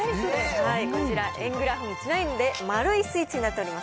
こちら、円グラフにちなんで丸いスイーツとなっております。